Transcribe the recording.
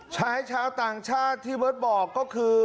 ชายชาวต่างชาติที่เบิร์ตบอกก็คือ